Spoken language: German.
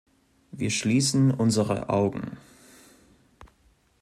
Wir schließen unsere Augen.